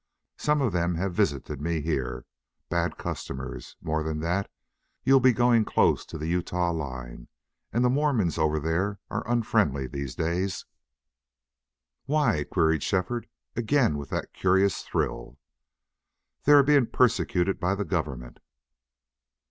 Some of them have visited me here. Bad customers! More than that, you'll be going close to the Utah line, and the Mormons over there are unfriendly these days." "Why?" queried Shefford, again with that curious thrill. "They are being persecuted by the government."